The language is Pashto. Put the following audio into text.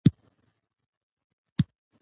د اوبو سرچینې د افغانستان د طبیعي پدیدو یو رنګ دی.